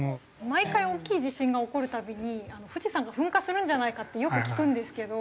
毎回大きい地震が起こるたびに富士山が噴火するんじゃないかってよく聞くんですけど。